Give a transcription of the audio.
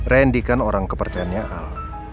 randy kan orang kepercayaannya al